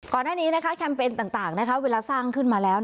ก่อนหน้านี้แคมเปญต่างเวลาสร้างขึ้นมาแล้ว